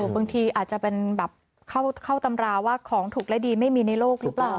บางทีอาจจะเป็นแบบเข้าตำราว่าของถูกและดีไม่มีในโลกหรือเปล่า